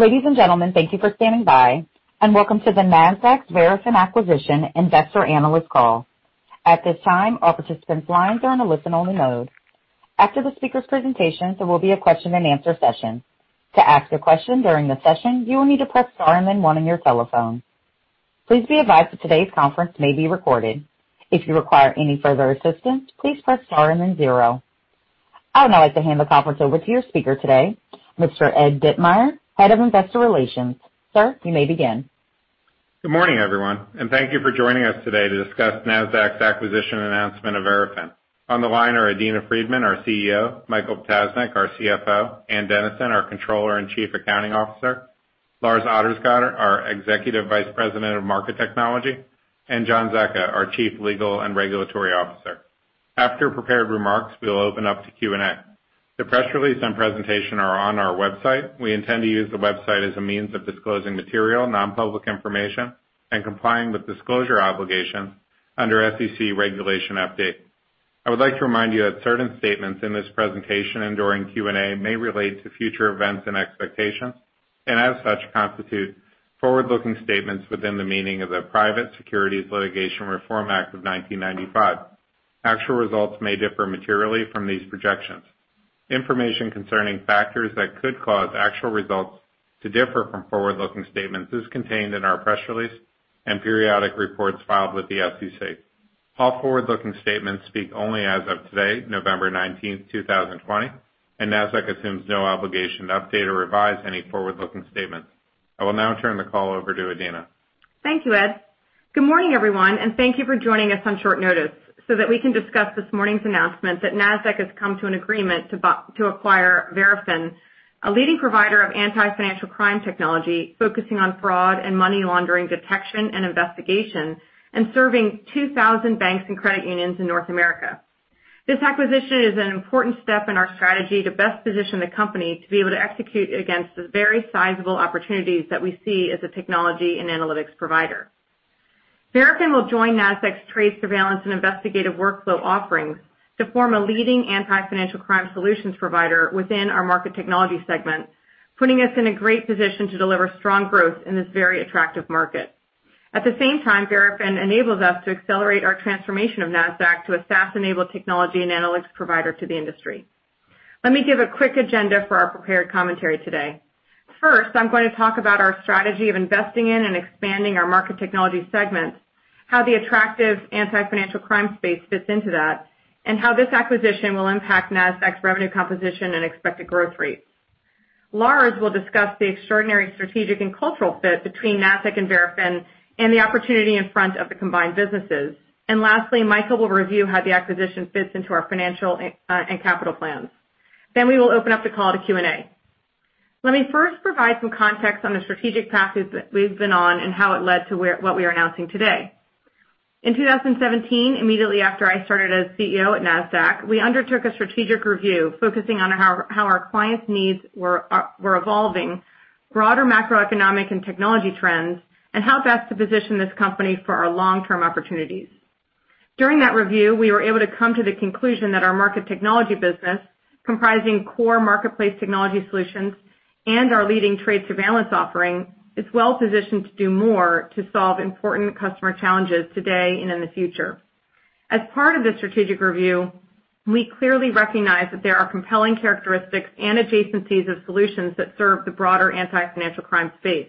Ladies and gentlemen, thank you for standing by and welcome to the Nasdaq Verafin acquisition investor analyst call. At this time, all participants' lines are on a listen-only mode. After the speakers' presentation, there will be a question-and-answer session. Please be advised that today's conference may be recorded. I would now like to hand the conference over to your speaker today, Mr. Ed Ditmire, Head of Investor Relations. Sir, you may begin. Good morning, everyone, and thank you for joining us today to discuss Nasdaq's acquisition announcement of Verafin. On the line are Adena Friedman, our CEO, Michael Ptasznik, our CFO, Ann Dennison, our Controller and Chief Accounting Officer, Lars Ottersgård, our Executive Vice President of Market Technology, and John Zecca, our Chief Legal and Regulatory Officer. After prepared remarks, we'll open up to Q&A. The press release and presentation are on our website. We intend to use the website as a means of disclosing material, non-public information and complying with disclosure obligations under SEC Regulation FD. I would like to remind you that certain statements in this presentation and during Q&A may relate to future events and expectations, and as such, constitute forward-looking statements within the meaning of the Private Securities Litigation Reform Act of 1995. Actual results may differ materially from these projections. Information concerning factors that could cause actual results to differ from forward-looking statements is contained in our press release and periodic reports filed with the SEC. All forward-looking statements speak only as of today, November 19th, 2020, and Nasdaq assumes no obligation to update or revise any forward-looking statements. I will now turn the call over to Adena. Thank you, Ed. Good morning, everyone, and thank you for joining us on short notice so that we can discuss this morning's announcement that Nasdaq has come to an agreement to acquire Verafin, a leading provider of anti-financial crime technology focusing on fraud and money laundering detection and investigation and serving 2,000 banks and credit unions in North America. This acquisition is an important step in our strategy to best position the company to be able to execute against the very sizable opportunities that we see as a technology and analytics provider. Verafin will join Nasdaq's trade surveillance and investigative workflow offerings to form a leading anti-financial crime solutions provider within Market Technology segment, putting us in a great position to deliver strong growth in this very attractive market. At the same time, Verafin enables us to accelerate our transformation of Nasdaq to a SaaS-enabled technology and analytics provider to the industry. Let me give a quick agenda for our prepared commentary today. First, I'm going to talk about our strategy of investing in and expanding our Market Tech segments, how the attractive anti-financial crime space fits into that, and how this acquisition will impact Nasdaq's revenue composition and expected growth rates. Lars will discuss the extraordinary strategic and cultural fit between Nasdaq and Verafin and the opportunity in front of the combined businesses. Lastly, Michael will review how the acquisition fits into our financial, and capital plans. We will open up the call to Q&A. Let me first provide some context on the strategic path that we've been on and how it led to what we are announcing today. In 2017, immediately after I started as CEO at Nasdaq, we undertook a strategic review focusing on how our clients' needs were evolving, broader macroeconomic and technology trends, and how best to position this company for our long-term opportunities. During that review, we were able to come to the conclusion that our Market Technology business, comprising core marketplace technology solutions and our leading trade surveillance offering, is well-positioned to do more to solve important customer challenges today and in the future. As part of the strategic review, we clearly recognize that there are compelling characteristics and adjacencies of solutions that serve the broader anti-financial crime space.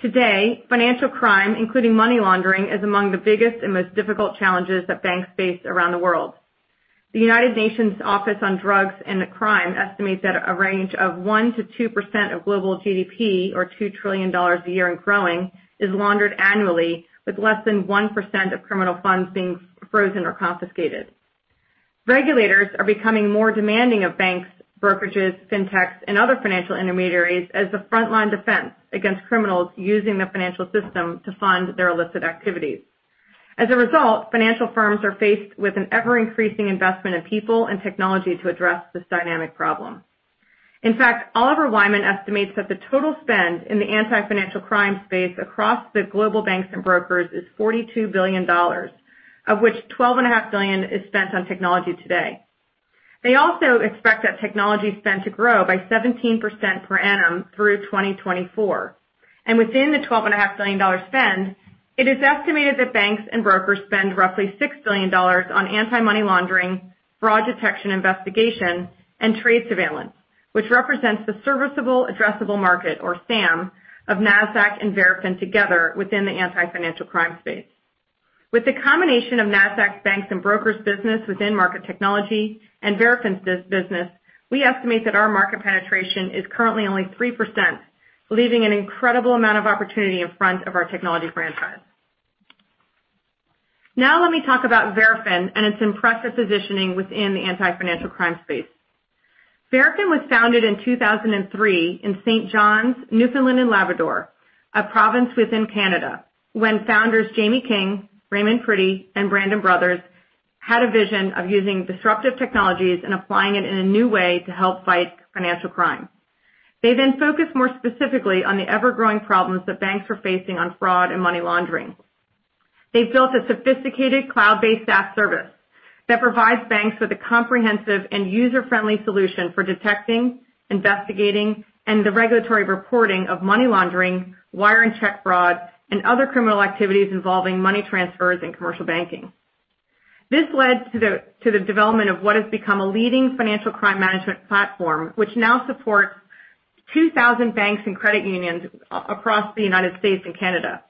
Today, financial crime, including money laundering, is among the biggest and most difficult challenges that banks face around the world. The United Nations Office on Drugs and Crime estimates that a range of 1%-2% of global GDP, or $2 trillion a year and growing, is laundered annually, with less than 1% of criminal funds being frozen or confiscated. Regulators are becoming more demanding of banks, brokerages, fintechs, and other financial intermediaries as the frontline defense against criminals using the financial system to fund their illicit activities. As a result, financial firms are faced with an ever-increasing investment in people and technology to address this dynamic problem. In fact, Oliver Wyman estimates that the total spend in the anti-financial crime space across the global banks and brokers is $42 billion, of which $12.5 billion is spent on technology today. They also expect that technology spend to grow by 17% per annum through 2024. Within the $12.5 billion spend, it is estimated that banks and brokers spend roughly $6 billion on anti-money laundering, fraud detection investigation, and trade surveillance, which represents the serviceable addressable market, or SAM, of Nasdaq and Verafin together within the anti-financial crime space. With the combination of Nasdaq's banks and brokers business within Market Tech and Verafin's business, we estimate that our market penetration is currently only 3%, leaving an incredible amount of opportunity in front of our technology franchise. Let me talk about Verafin and its impressive positioning within the anti-financial crime space. Verafin was founded in 2003 in St. John's, Newfoundland and Labrador, a province within Canada, when founders Jamie King, Raymond Pretty, and Brendan Brothers had a vision of using disruptive technologies and applying it in a new way to help fight financial crime. They focused more specifically on the ever-growing problems that banks were facing on fraud and money laundering. They've built a sophisticated cloud-based SaaS service that provides banks with a comprehensive and user-friendly solution for detecting, investigating, and the regulatory reporting of money laundering, wire and check fraud, and other criminal activities involving money transfers and commercial banking. This led to the development of what has become a leading financial crime management platform, which now supports 2,000 banks and credit unions across the United States and Canada.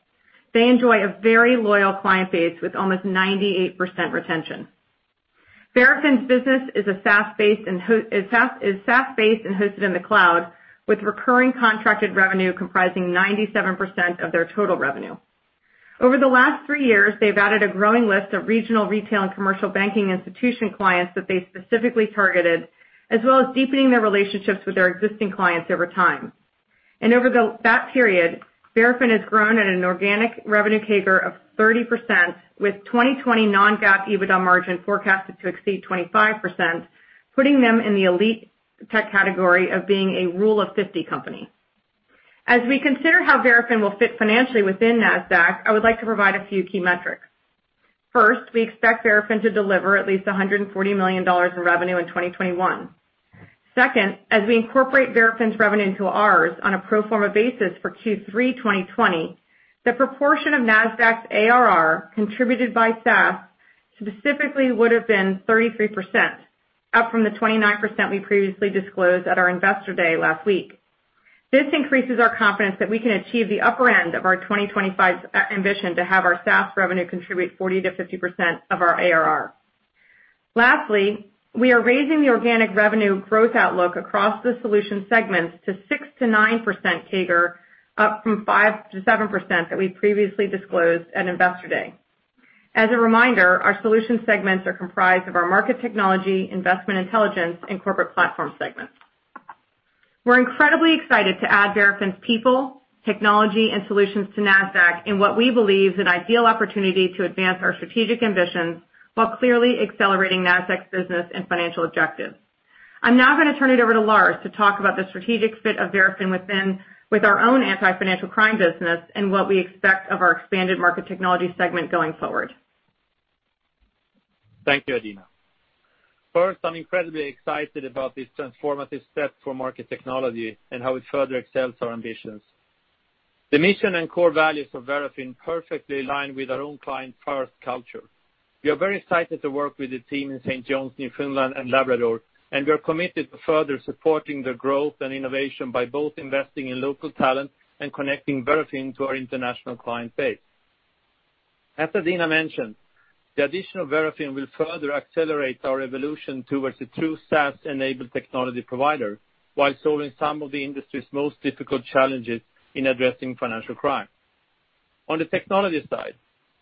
They enjoy a very loyal client base with almost 98% retention. Verafin's business is SaaS-based and hosted in the cloud, with recurring contracted revenue comprising 97% of their total revenue. Over the last three years, they've added a growing list of regional, retail, and commercial banking institution clients that they specifically targeted, as well as deepening their relationships with their existing clients over time. Over that period, Verafin has grown at an organic revenue CAGR of 30%, with 2020 non-GAAP EBITDA margin forecasted to exceed 25%, putting them in the elite tech category of being a rule of 50 company. As we consider how Verafin will fit financially within Nasdaq, I would like to provide a few key metrics. First, we expect Verafin to deliver at least $140 million in revenue in 2021. Second, as we incorporate Verafin's revenue into ours on a pro forma basis for Q3 2020, the proportion of Nasdaq's ARR contributed by SaaS specifically would've been 33%, up from the 29% we previously disclosed at our Investor Day last week. This increases our confidence that we can achieve the upper end of our 2025 ambition to have our SaaS revenue contribute 40%-50% of our ARR. Lastly, we are raising the organic revenue growth outlook across the Solutions segments to 6%-9% CAGR, up from 5%-7% that we previously disclosed at Investor Day. As a reminder, our Solutions segments are comprised of our Market Technology, Investment Intelligence, and Corporate Platform segments. We're incredibly excited to add Verafin's people, technology, and solutions to Nasdaq in what we believe is an ideal opportunity to advance our strategic ambitions while clearly accelerating Nasdaq's business and financial objectives. I'm now going to turn it over to Lars to talk about the strategic fit of Verafin with our own anti-financial crime business and what we expect of our Market Technology segment going forward. Thank you, Adena. First, I'm incredibly excited about this transformative step for Market Technology and how it further excels our ambitions. The mission and core values of Verafin perfectly align with our own client-first culture. We are very excited to work with the team in St. John's, Newfoundland, and Labrador, and we're committed to further supporting their growth and innovation by both investing in local talent and connecting Verafin to our international client base. As Adena mentioned, the addition of Verafin will further accelerate our evolution towards a true SaaS-enabled technology provider while solving some of the industry's most difficult challenges in addressing financial crime. On the technology side,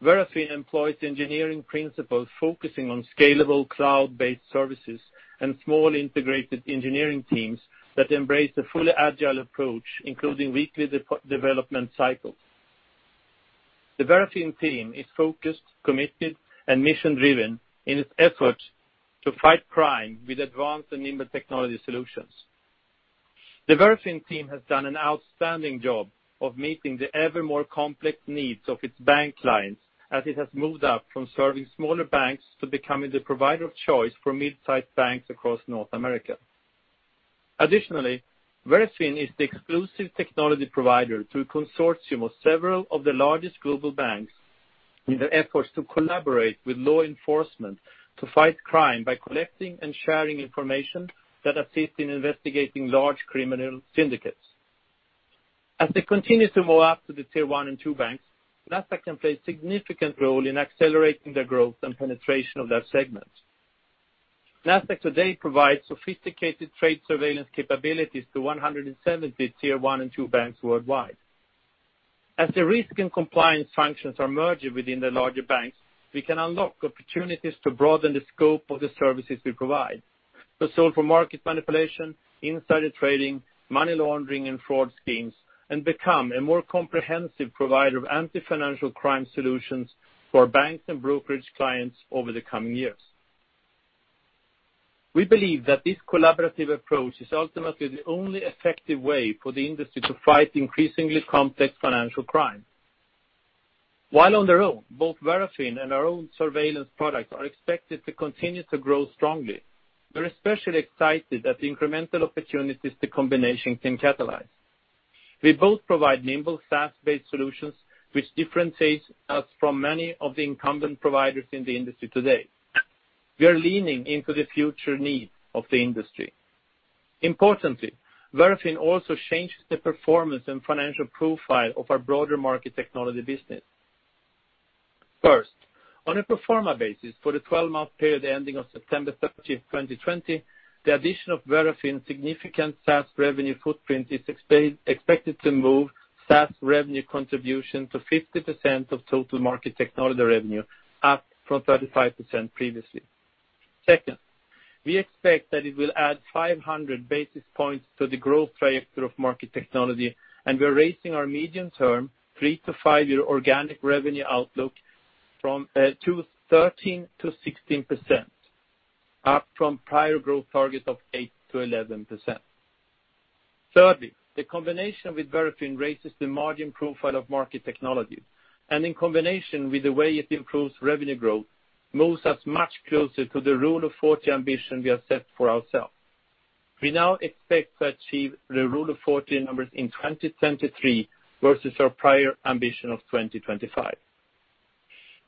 Verafin employs engineering principles focusing on scalable cloud-based services and small integrated engineering teams that embrace a fully agile approach, including weekly development cycles. The Verafin team is focused, committed, and mission-driven in its efforts to fight crime with advanced and nimble technology solutions. The Verafin team has done an outstanding job of meeting the ever more complex needs of its bank clients as it has moved up from serving smaller banks to becoming the provider of choice for mid-sized banks across North America. Additionally, Verafin is the exclusive technology provider to a consortium of several of the largest global banks in their efforts to collaborate with law enforcement to fight crime by collecting and sharing information that assists in investigating large criminal syndicates. As they continue to move up to the Tier 1 and 2 banks, Nasdaq can play a significant role in accelerating the growth and penetration of that segment. Nasdaq today provides sophisticated trade surveillance capabilities to 170 Tier 1 and 2 banks worldwide. As the risk and compliance functions are merging within the larger banks, we can unlock opportunities to broaden the scope of the services we provide, to solve for market manipulation, insider trading, money laundering, and fraud schemes, and become a more comprehensive provider of anti-financial crime solutions for our banks and brokerage clients over the coming years. We believe that this collaborative approach is ultimately the only effective way for the industry to fight increasingly complex financial crime. While on their own, both Verafin and our own surveillance products are expected to continue to grow strongly. We're especially excited at the incremental opportunities the combination can catalyze. We both provide nimble, SaaS-based solutions, which differentiates us from many of the incumbent providers in the industry today. We are leaning into the future needs of the industry. Importantly, Verafin also changes the performance and financial profile of our broader Market Technology business. First, on a pro forma basis for the 12-month period ending on September 30, 2020, the addition of Verafin's significant SaaS revenue footprint is expected to move SaaS revenue contribution to 50% of total Market Technology revenue, up from 35% previously. Second, we expect that it will add 500 basis points to the growth trajectory of Market Technology, and we're raising our medium-term three to five-year organic revenue outlook to 13%-16%, up from prior growth targets of 8%-11%. Thirdly, the combination with Verafin raises the margin profile of market technologies, and in combination with the way it improves revenue growth, moves us much closer to the rule of 40 ambition we have set for ourselves. We now expect to achieve the rule of 40 numbers in 2023 versus our prior ambition of 2025.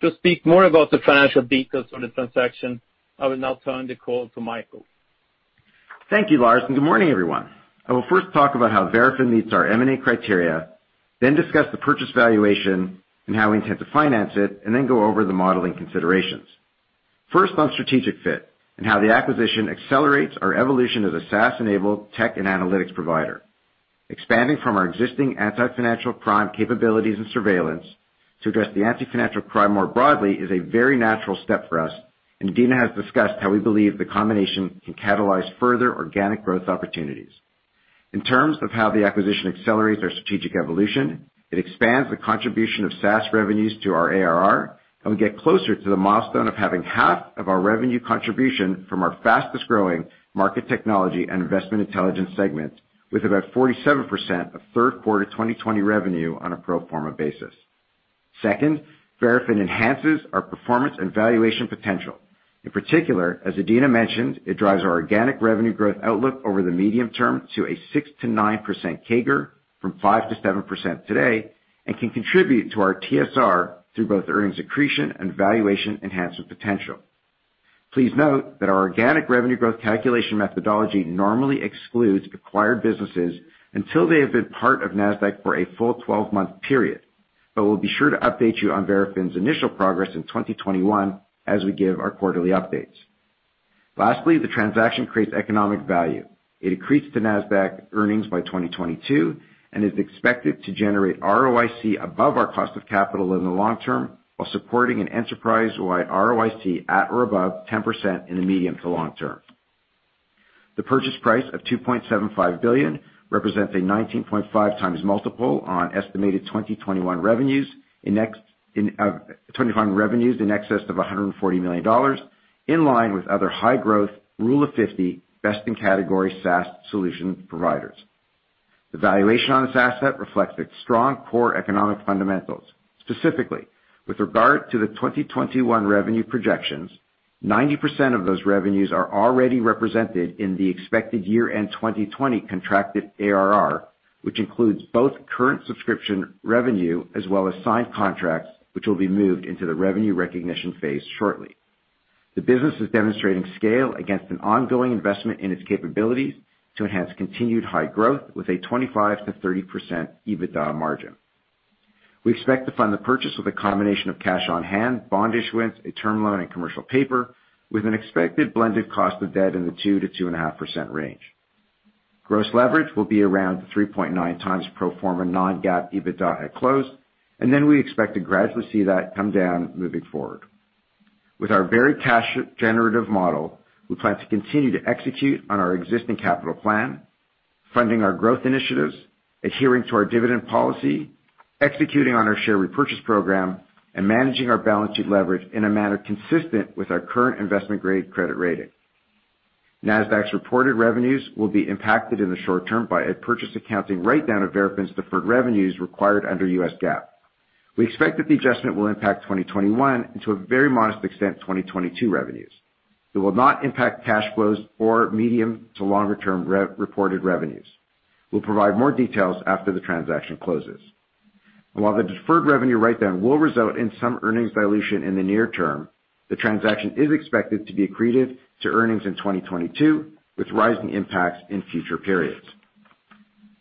To speak more about the financial details of the transaction, I will now turn the call to Michael. Thank you, Lars, and good morning, everyone. I will first talk about how Verafin meets our M&A criteria, then discuss the purchase valuation and how we intend to finance it, and then go over the modeling considerations. First on strategic fit and how the acquisition accelerates our evolution as a SaaS-enabled tech and analytics provider. Expanding from our existing anti-financial crime capabilities and surveillance to address the anti-financial crime more broadly is a very natural step for us. Adena has discussed how we believe the combination can catalyze further organic growth opportunities. In terms of how the acquisition accelerates our strategic evolution, it expands the contribution of SaaS revenues to our ARR. We get closer to the milestone of having 1/2 of our revenue contribution from our fastest-growing Market Technology and Investment Intelligence segment with about 47% of third quarter 2020 revenue on a pro forma basis. Second, Verafin enhances our performance and valuation potential. In particular, as Adena mentioned, it drives our organic revenue growth outlook over the medium term to a 6%-9% CAGR from 5%-7% today and can contribute to our TSR through both earnings accretion and valuation enhancement potential. Please note that our organic revenue growth calculation methodology normally excludes acquired businesses until they have been part of Nasdaq for a full 12-month period. We'll be sure to update you on Verafin's initial progress in 2021 as we give our quarterly updates. Lastly, the transaction creates economic value. It accrues to Nasdaq earnings by 2022 and is expected to generate ROIC above our cost of capital in the long term while supporting an enterprise-wide ROIC at or above 10% in the medium to long term. The purchase price of $2.75 billion represents a 19.5x multiple on estimated 2021 revenues in excess of $140 million, in line with other high-growth Rule of 50 best-in-category SaaS solution providers. The valuation on this asset reflects its strong core economic fundamentals. Specifically, with regard to the 2021 revenue projections, 90% of those revenues are already represented in the expected year-end 2020 contracted ARR, which includes both current subscription revenue as well as signed contracts, which will be moved into the revenue recognition phase shortly. The business is demonstrating scale against an ongoing investment in its capabilities to enhance continued high growth with a 25%-30% EBITDA margin. We expect to fund the purchase with a combination of cash on hand, bond issuance, a term loan, and commercial paper with an expected blended cost of debt in the 2%-2.5% range. Gross leverage will be around 3.9x pro forma non-GAAP EBITDA at close, and then we expect to gradually see that come down moving forward. With our very cash-generative model, we plan to continue to execute on our existing capital plan, funding our growth initiatives, adhering to our dividend policy, executing on our share repurchase program, and managing our balanced leverage in a manner consistent with our current investment-grade credit rating. Nasdaq's reported revenues will be impacted in the short term by a purchase accounting write-down of Verafin's deferred revenues required under U.S. GAAP. We expect that the adjustment will impact 2021 and to a very modest extent, 2022 revenues. It will not impact cash flows or medium to longer-term reported revenues. We'll provide more details after the transaction closes. While the deferred revenue write-down will result in some earnings dilution in the near term, the transaction is expected to be accretive to earnings in 2022, with rising impacts in future periods.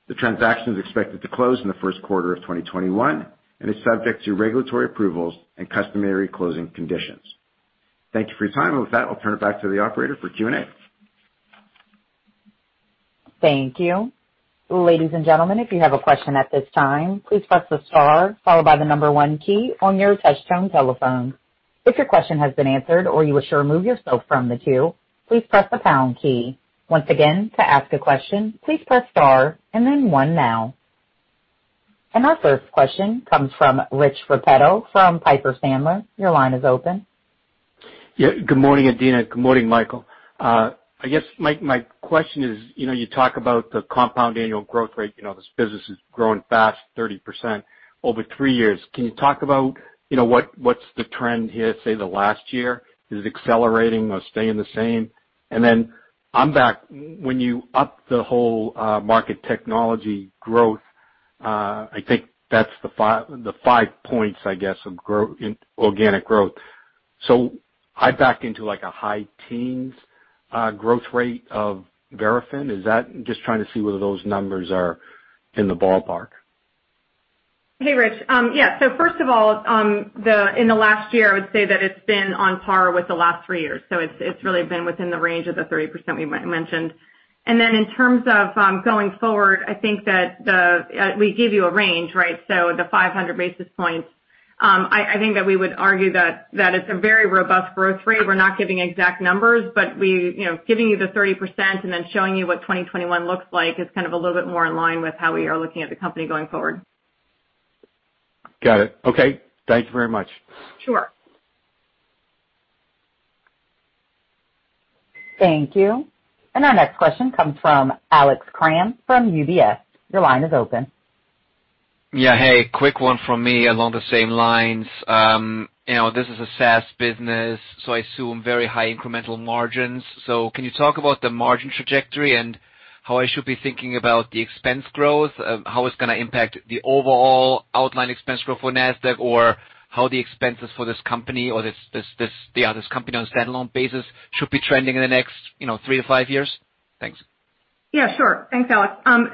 The transaction is expected to close in the first quarter of 2021 and is subject to regulatory approvals and customary closing conditions. Thank you for your time. With that, I'll turn it back to the operator for Q&A. Thank you. Ladies and gentlemen, if you have a question at this time, please press the star followed by the number one key on your touch-tone telephone. If your question has been answered or you wish to remove yourself from the queue, please press the pound key. Once again, to ask a question, please press star and then one now. Our first question comes from Rich Repetto from Piper Sandler. Your line is open. Yeah, good morning, Adena. Good morning, Michael. I guess my question is, you talk about the compound annual growth rate. This business is growing fast, 30% over three years. Can you talk about what's the trend here, say, the last year? Is it accelerating or staying the same? On that, when you up the whole Market Technology growth, I think that's the five points, I guess, of organic growth. I backed into like a high teens growth rate of Verafin. Just trying to see whether those numbers are in the ballpark. Hey, Rich. Yeah. First of all, in the last year, I would say that it's been on par with the last three years. It's really been within the range of the 30% we mentioned. In terms of going forward, I think that we give you a range, right? The 500 basis points. I think that we would argue that it's a very robust growth rate. We're not giving exact numbers, giving you the 30% and then showing you what 2021 looks like is kind of a little bit more in line with how we are looking at the company going forward. Got it. Okay. Thank you very much. Sure. Thank you. Our next question comes from Alex Kramm from UBS. Your line is open. Yeah. Hey, quick one from me along the same lines. This is a SaaS business, I assume very high incremental margins. Can you talk about the margin trajectory and how I should be thinking about the expense growth? How it's going to impact the overall outline expense growth for Nasdaq? Or how the expenses for this company on a standalone basis should be trending in the next three to five years? Thanks. Yeah, sure. Thanks, Alex.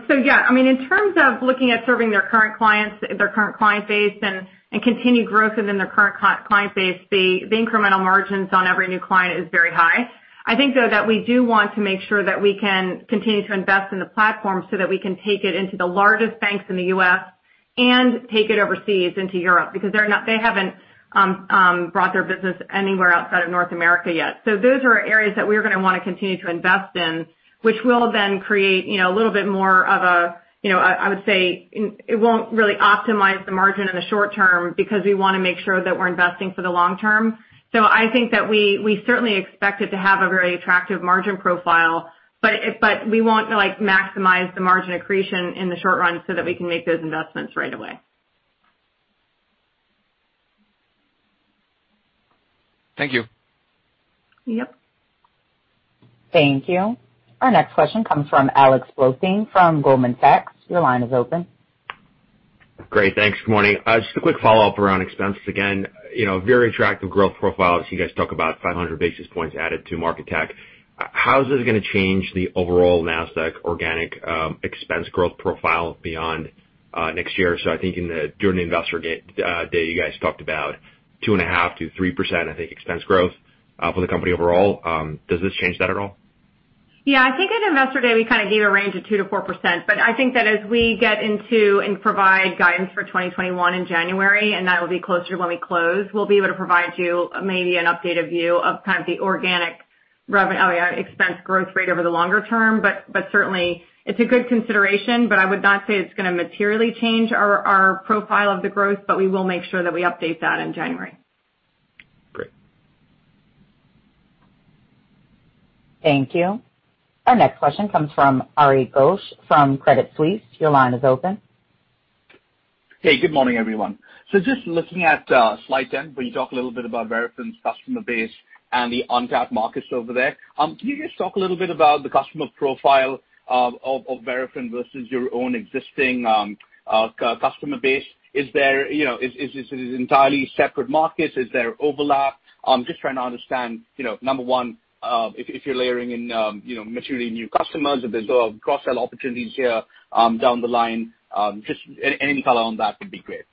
Yeah, in terms of looking at serving their current client base and continued growth within their current client base, the incremental margins on every new client is very high. I think, though, that we do want to make sure that we can continue to invest in the platform so that we can take it into the largest banks in the U.S. and take it overseas into Europe, because they haven't brought their business anywhere outside of North America yet. Those are areas that we're going to want to continue to invest in, which will then create a little bit more of a, I would say, it won't really optimize the margin in the short term because we want to make sure that we're investing for the long term. I think that we certainly expect it to have a very attractive margin profile, but we won't maximize the margin accretion in the short run so that we can make those investments right away. Thank you. Yep. Thank you. Our next question comes from Alex Blostein from Goldman Sachs. Your line is open. Great. Thanks. Good morning. Just a quick follow-up around expenses again. Very attractive growth profile as you guys talk about 500 basis points added to Market Tech. How is this going to change the overall Nasdaq organic expense growth profile beyond next year? I think during the Investor Day, you guys talked about 2.5%-3%, I think expense growth for the company overall. Does this change that at all? Yeah. I think at Investor Day, we kind of gave a range of 2%-4%. I think that as we get into and provide guidance for 2021 in January, and that'll be closer to when we close, we'll be able to provide you maybe an updated view of the organic expense growth rate over the longer term. Certainly, it's a good consideration, but I would not say it's going to materially change our profile of the growth, but we will make sure that we update that in January. Great. Thank you. Our next question comes from Arighna Ghosh from Credit Suisse. Your line is open. Hey, good morning, everyone. Just looking at slide 10, where you talk a little bit about Verafin's customer base and the untapped markets over there. Can you just talk a little bit about the customer profile of Verafin versus your own existing customer base? Is it an entirely separate market? Is there overlap? Just trying to understand, number one, if you're layering in materially new customers, if there's cross-sell opportunities here down the line. Just any color on that would be great.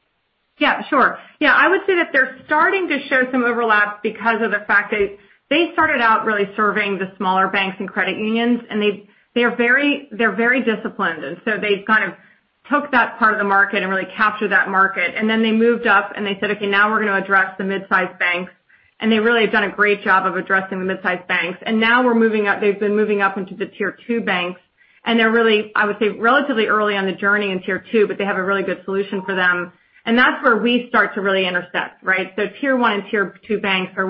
Yeah, sure. I would say that they're starting to show some overlap because of the fact that they started out really serving the smaller banks and credit unions, and they're very disciplined. They kind of took that part of the market and really captured that market. They moved up and they said, "Okay, now we're going to address the mid-size banks." They really have done a great job of addressing the mid-size banks. Now they've been moving up into the Tier 2 banks, and they're really, I would say, relatively early on the journey in Tier 2, but they have a really good solution for them. That's where we start to really intersect, right? Tier 1 and Tier 2 banks are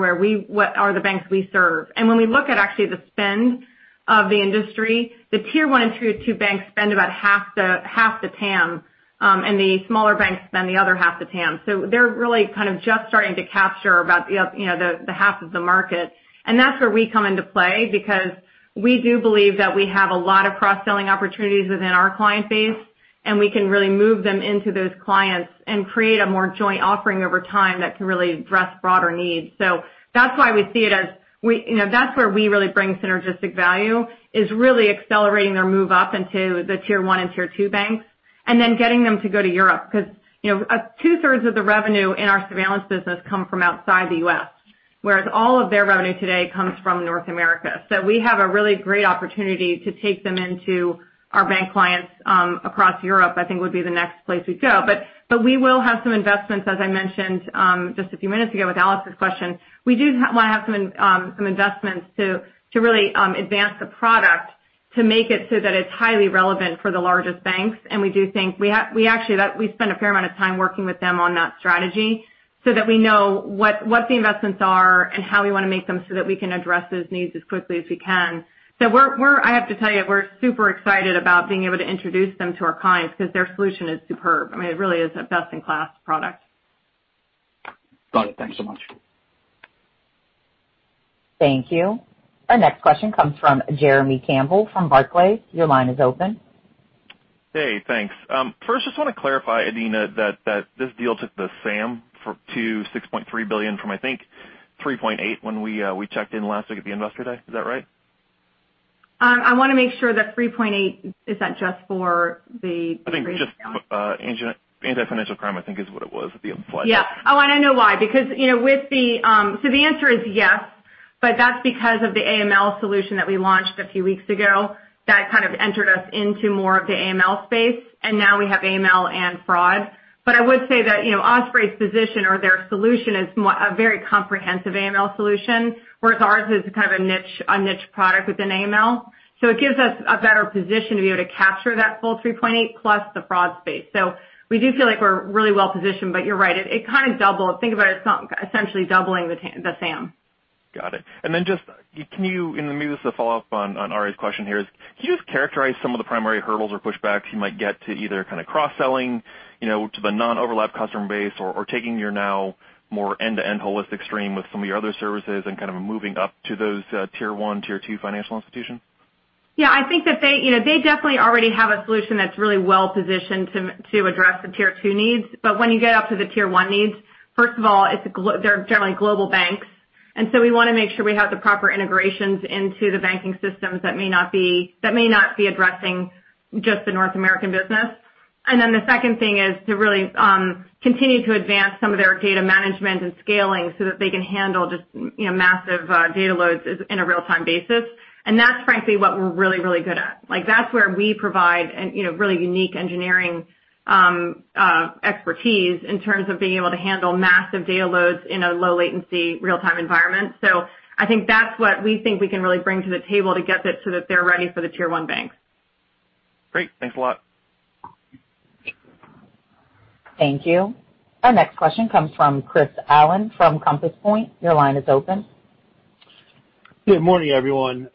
the banks we serve. When we look at actually the spend of the industry, the Tier 1 and Tier 2 banks spend about half the TAM, and the smaller banks spend the other half the TAM. They're really kind of just starting to capture about the half of the market. That's where we come into play because we do believe that we have a lot of cross-selling opportunities within our client base, and we can really move them into those clients and create a more joint offering over time that can really address broader needs. That's why we see it as that's where we really bring synergistic value, is really accelerating their move up into the Tier 1 and Tier 2 banks and then getting them to go to Europe. Because 2/3 of the revenue in our surveillance business come from outside the U.S., whereas all of their revenue today comes from North America. We have a really great opportunity to take them into our bank clients across Europe, I think would be the next place we'd go. We will have some investments, as I mentioned just a few minutes ago with Alex's question. We do want to have some investments to really advance the product to make it so that it's highly relevant for the largest banks. We actually spent a fair amount of time working with them on that strategy so that we know what the investments are and how we want to make them so that we can address those needs as quickly as we can. I have to tell you, we're super excited about being able to introduce them to our clients because their solution is superb. I mean, it really is a best-in-class product. Got it. Thanks so much. Thank you. Our next question comes from Jeremy Campbell from Barclays. Your line is open. Hey, thanks. First just want to clarify, Adena, that this deal took the SAM to $6.3 billion from I think $3.8 billion when we checked in last week at the Investor Day. Is that right? I want to make sure the $3.8 billion, is that just for? I think just anti-financial crime, I think is what it was. The slide. Yeah. I want to know why. The answer is yes, but that's because of the AML solution that we launched a few weeks ago that kind of entered us into more of the AML space, and now we have AML and fraud. I would say that Verafin's position or their solution is a very comprehensive AML solution, whereas ours is kind of a niche product within AML. It gives us a better position to be able to capture that full $3.8 billion+ the fraud space. We do feel like we're really well-positioned, but you're right. It kind of doubled. Think about it's essentially doubling the SAM. Got it. Just, maybe this is a follow-up on Ari's question here is, can you just characterize some of the primary hurdles or pushbacks you might get to either kind of cross-selling to the non-overlap customer base or taking your now more end-to-end holistic stream with some of your other services and kind of moving up to those Tier 1, Tier 2 financial institutions? Yeah, I think that they definitely already have a solution that's really well-positioned to address the Tier 2 needs. When you get up to the Tier 1 needs, first of all, they're generally global banks, and so we want to make sure we have the proper integrations into the banking systems that may not be addressing just the North American business. The second thing is to really continue to advance some of their data management and scaling so that they can handle just massive data loads in a real-time basis. That's frankly what we're really, really good at. That's where we provide really unique engineering expertise in terms of being able to handle massive data loads in a low latency, real-time environment. I think that's what we think we can really bring to the table to get this so that they're ready for the Tier 1 banks. Great. Thanks a lot. Thank you. Our next question comes from Chris Allen from Compass Point. Your line is open. Good morning, everyone.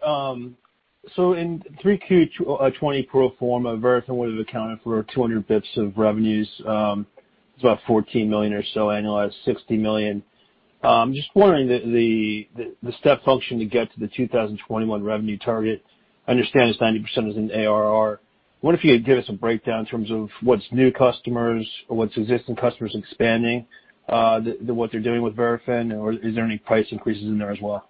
In 3Q 2020 pro forma, Verafin would have accounted for 200 basis points of revenues, about $14 million or so annual at $60 million. I'm just wondering the step function to get to the 2021 revenue target. I understand it's 90% is in ARR. What if you give us a breakdown in terms of what's new customers or what's existing customers expanding, what they're doing with Verafin, or is there any price increases in there as well?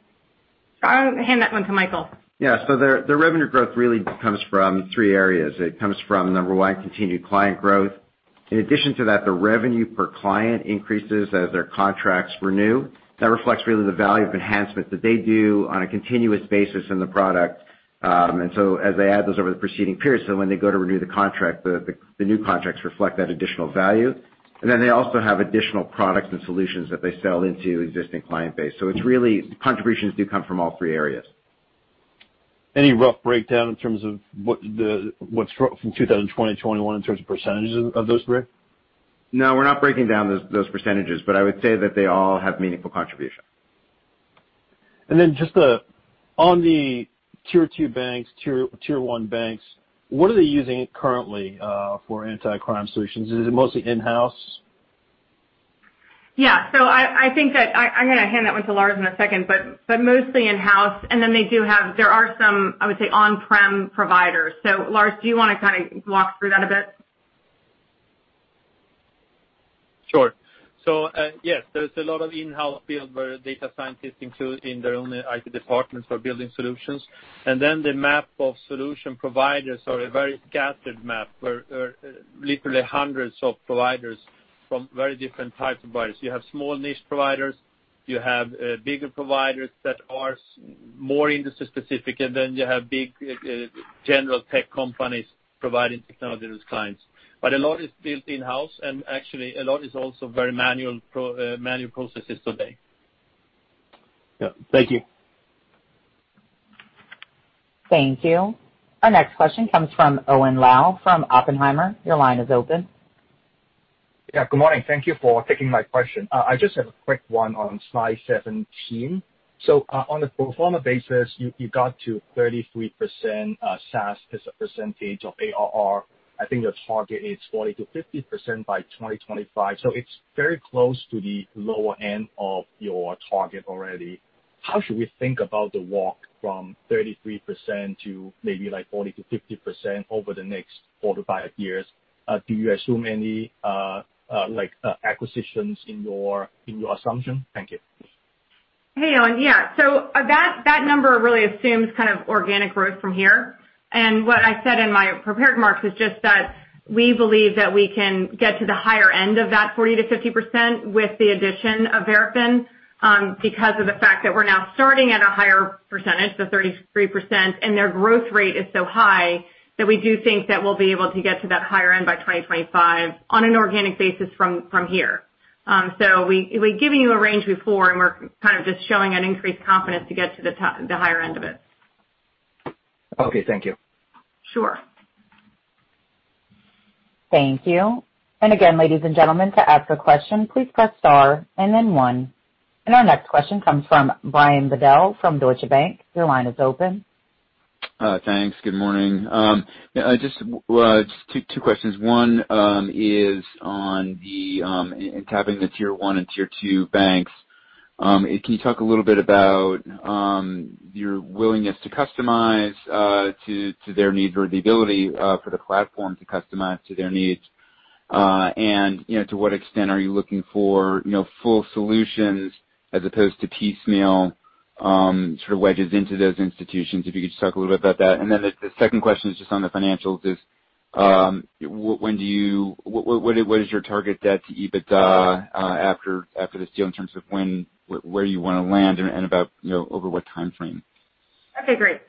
I'll hand that one to Michael. Yeah, the revenue growth really comes from three areas. It comes from, number one, continued client growth. In addition to that, the revenue per client increases as their contracts renew. That reflects really the value of enhancement that they do on a continuous basis in the product. As they add those over the preceding period, when they go to renew the contract, the new contracts reflect that additional value. They also have additional products and solutions that they sell into existing client base. It's really contributions do come from all three areas. Any rough breakdown in terms of what's from 2020-2021 in terms of % of those three? We're not breaking down those %, but I would say that they all have meaningful contribution. Then just on the Tier 2 banks, Tier 1 banks, what are they using currently for anti-crime solutions? Is it mostly in-house? Yeah, I think that I'm going to hand that one to Lars in a second, but mostly in-house, and then they do have, there are some, I would say, on-prem providers. Lars, do you want to kind of walk through that a bit? Sure. Yes, there's a lot of in-house build where data scientists include in their own IT departments for building solutions. The map of solution providers are a very scattered map where literally hundreds of providers from very different types of buyers. You have small niche providers. You have bigger providers that are more industry specific, and then you have big general tech companies providing technology to clients. A lot is built in-house, and actually a lot is also very manual processes today. Yeah. Thank you. Thank you. Our next question comes from Owen Lau from Oppenheimer. Your line is open. Yeah, good morning. Thank you for taking my question. I just have a quick one on slide 17. On a pro forma basis, you got to 33% SaaS as a % of ARR. I think your target is 40%-50% by 2025, so it's very close to the lower end of your target already. How should we think about the walk from 33% to maybe like 40%-50% over the next four to five years? Do you assume any acquisitions in your assumption? Thank you. Hey, Owen. Yeah. That number really assumes kind of organic growth from here. What I said in my prepared remarks is just that we believe that we can get to the higher end of that 40%-50% with the addition of Verafin because of the fact that we're now starting at a higher %, the 33%, and their growth rate is so high, that we do think that we'll be able to get to that higher end by 2025 on an organic basis from here. We've given you a range before, and we're kind of just showing an increased confidence to get to the higher end of it. Okay, thank you. Sure. Thank you. And again ladies and gentlemen to ask a question please press star and then one. Our next question comes from Brian Bedell from Deutsche Bank. Thanks. Good morning. Just two questions. One is on tapping the Tier 1 and Tier 2 banks. Can you talk a little bit about your willingness to customize to their needs or the ability for the platform to customize to their needs? To what extent are you looking for full solutions as opposed to piecemeal sort of wedges into those institutions? If you could just talk a little bit about that. Then the second question is just on the financials is what is your target debt to EBITDA after this deal in terms of where you want to land and about over what timeframe? Okay, great.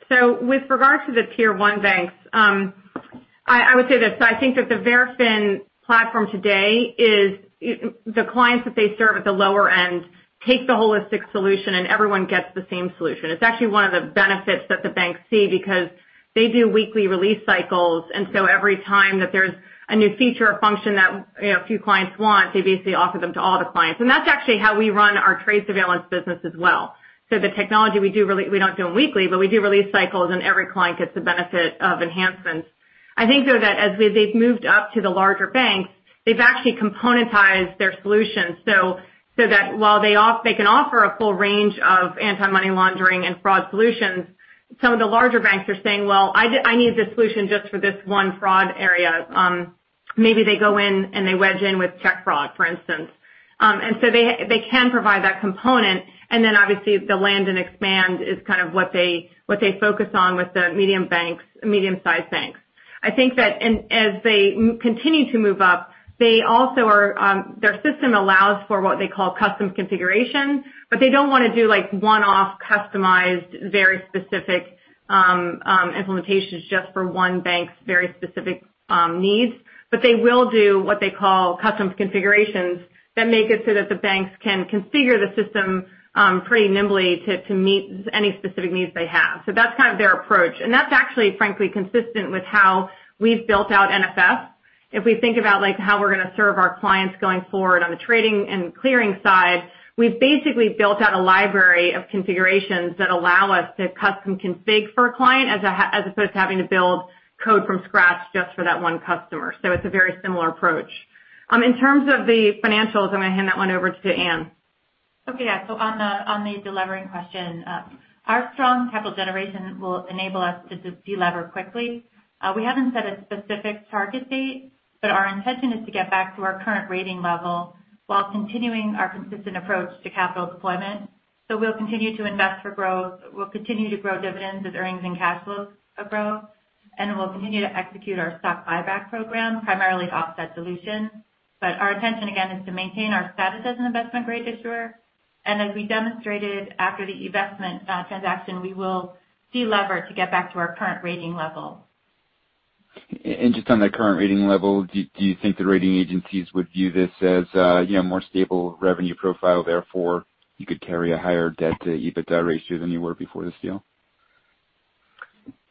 With regard to the Tier 1 banks, I would say this. I think that the Verafin platform today is the clients that they serve at the lower end take the holistic solution and everyone gets the same solution. It's actually one of the benefits that the banks see because they do weekly release cycles. Every time that there's a new feature or function that a few clients want, they basically offer them to all the clients. That's actually how we run our trade surveillance business as well. The technology we do, we don't do them weekly, but we do release cycles and every client gets the benefit of enhancements. I think, though, that as they've moved up to the larger banks, they've actually componentized their solutions so that while they can offer a full range of anti-money laundering and fraud solutions, some of the larger banks are saying, "Well, I need this solution just for this one fraud area." Maybe they go in and they wedge in with check fraud, for instance. They can provide that component, and then obviously the land and expand is kind of what they focus on with the medium-sized banks. I think that as they continue to move up, their system allows for what they call custom configuration, but they don't want to do one-off customized, very specific implementations just for one bank's very specific needs. They will do what they call custom configurations that make it so that the banks can configure the system pretty nimbly to meet any specific needs they have. That's kind of their approach. That's actually, frankly, consistent with how we've built out NFF. If we think about how we're going to serve our clients going forward on the trading and clearing side, we've basically built out a library of configurations that allow us to custom config for a client as opposed to having to build code from scratch just for that one customer. It's a very similar approach. In terms of the financials, I'm going to hand that one over to Ann. Okay. Yeah. On the delevering question, our strong capital generation will enable us to delever quickly. We haven't set a specific target date, but our intention is to get back to our current rating level while continuing our consistent approach to capital deployment. We'll continue to invest for growth. We'll continue to grow dividends as earnings and cash flows grow, and we'll continue to execute our stock buyback program, primarily to offset dilution. Our intention, again, is to maintain our status as an investment-grade issuer. As we demonstrated after the eVestment transaction, we will delever to get back to our current rating level. Just on the current rating level, do you think the rating agencies would view this as a more stable revenue profile, therefore you could carry a higher debt-to-EBITDA ratio than you were before this deal?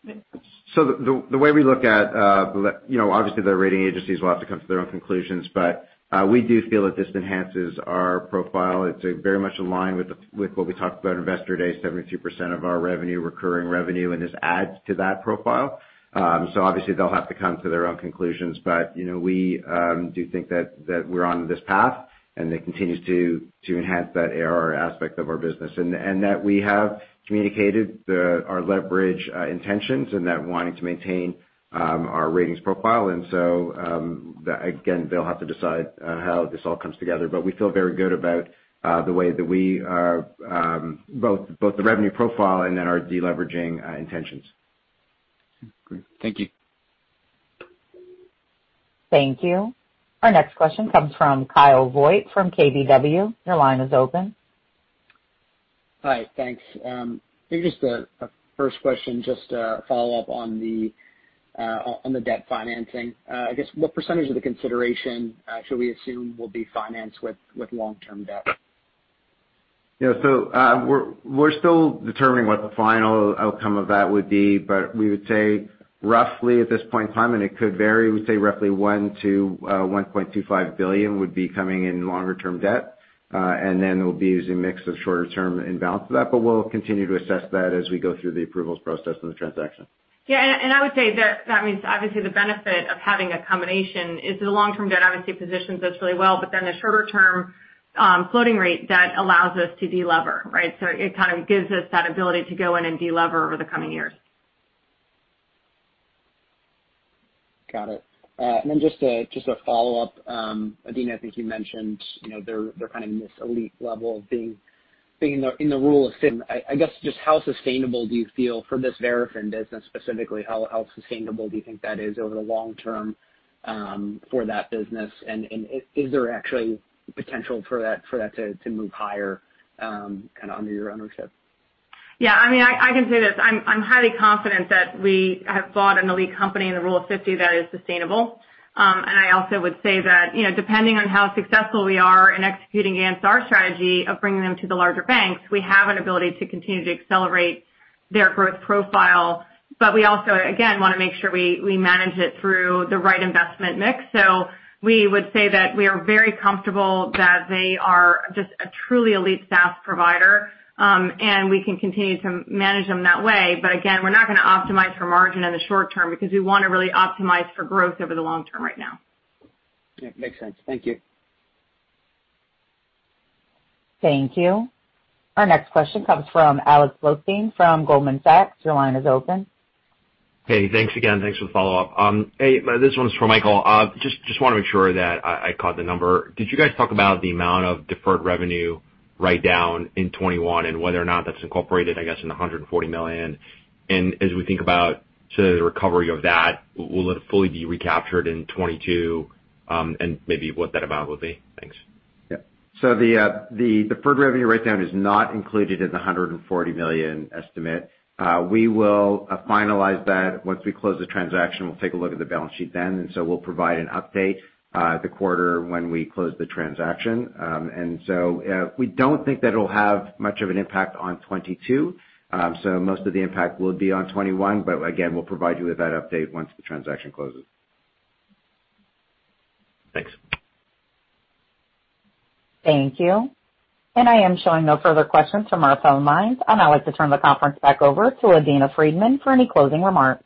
The way we look at, obviously the rating agencies will have to come to their own conclusions, but we do feel that this enhances our profile. It's very much in line with what we talked about at Investor Day, 72% of our revenue, recurring revenue, and this adds to that profile. Obviously they'll have to come to their own conclusions. We do think that we're on this path and it continues to enhance that aspect of our business. That we have communicated our leverage intentions and that wanting to maintain our ratings profile. Again, they'll have to decide how this all comes together. We feel very good about the way that we are, both the revenue profile and then our deleveraging intentions. Great. Thank you. Thank you. Our next question comes from Kyle Voigt from KBW. Your line is open. Hi, thanks. I think just a first question, just a follow-up on the debt financing. I guess what % of the consideration should we assume will be financed with long-term debt? We're still determining what the final outcome of that would be, but we would say roughly at this point in time, and it could vary, we'd say roughly $1 billion-$1.25 billion would be coming in longer-term debt. Then there'll be as a mix of shorter term and balance of that. We'll continue to assess that as we go through the approvals process in the transaction. Yeah. I would say that means obviously the benefit of having a combination is the long-term debt obviously positions us really well, but then the shorter-term floating rate debt allows us to delever, right? It kind of gives us that ability to go in and delever over the coming years. Got it. Just a follow-up. Adena, I think you mentioned they're kind of in this elite level of being in the Rule of 50. I guess, just how sustainable do you feel for this Verafin business specifically, how sustainable do you think that is over the long term for that business and is there actually potential for that to move higher kind of under your ownership? Yeah. I can say this. I'm highly confident that we have bought an elite company in the Rule of 50 that is sustainable. I also would say that depending on how successful we are in executing against our strategy of bringing them to the larger banks, we have an ability to continue to accelerate their growth profile. We also, again, want to make sure we manage it through the right investment mix. We would say that we are very comfortable that they are just a truly elite SaaS provider, and we can continue to manage them that way. Again, we're not going to optimize for margin in the short term because we want to really optimize for growth over the long term right now. Yeah. Makes sense. Thank you. Thank you. Our next question comes from Alex Blostein from Goldman Sachs. Your line is open. Hey, thanks again. Thanks for the follow-up. Hey, this one's for Michael. Just want to make sure that I caught the number. Did you guys talk about the amount of deferred revenue write-down in 2021 and whether or not that's incorporated, I guess, in the $140 million? As we think about sort of the recovery of that, will it fully be recaptured in 2022, and maybe what that amount will be? Thanks. The deferred revenue write-down is not included in the $140 million estimate. We will finalize that once we close the transaction. We'll take a look at the balance sheet then, we'll provide an update the quarter when we close the transaction. We don't think that it'll have much of an impact on 2022. Most of the impact will be on 2021. Again, we'll provide you with that update once the transaction closes. Thanks. Thank you. I am showing no further questions from our phone lines. I'd now like to turn the conference back over to Adena Friedman for any closing remarks.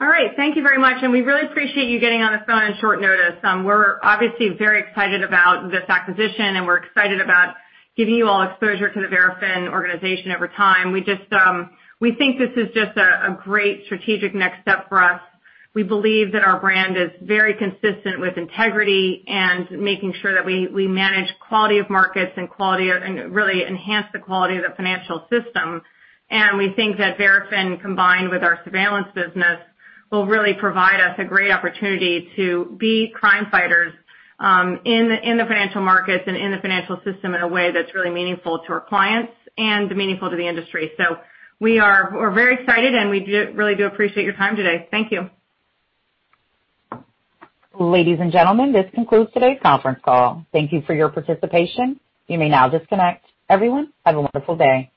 All right. Thank you very much. We really appreciate you getting on the phone on short notice. We're obviously very excited about this acquisition. We're excited about giving you all exposure to the Verafin organization over time. We think this is just a great strategic next step for us. We believe that our brand is very consistent with integrity and making sure that we manage quality of markets and really enhance the quality of the financial system. We think that Verafin, combined with our surveillance business, will really provide us a great opportunity to be crime fighters in the financial markets and in the financial system in a way that's really meaningful to our clients and meaningful to the industry. We're very excited, and we really do appreciate your time today. Thank you. Ladies and gentlemen, this concludes today's conference call. Thank you for your participation. You may now disconnect. Everyone, have a wonderful day.